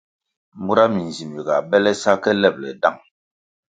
Mura minzimbi ga bele sa ke lebʼle dang.